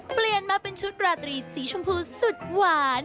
เปลี่ยนมาเป็นชุดราตรีสีชมพูสุดหวาน